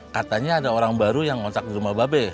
katanya ada orang baru yang ngontak di rumah babe